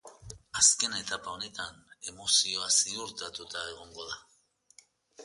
Azken etapa honetan, emozioa ziurtatuta egongo da.